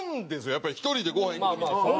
やっぱり１人でごはん行く時って。